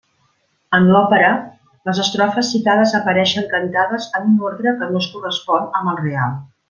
En l'òpera, les estrofes citades apareixen cantades en un ordre que no es correspon amb el real.